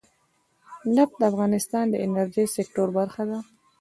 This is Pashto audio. نفت د افغانستان د انرژۍ سکتور برخه ده.